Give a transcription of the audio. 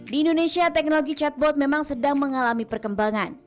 di indonesia teknologi chatbot memang sedang mengalami perkembangan